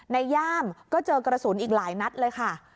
ย่ามก็เจอกระสุนอีกหลายนัดเลยค่ะ